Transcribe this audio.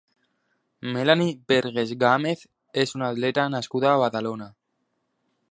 Melany Bergés Gámez és una atleta nascuda a Badalona.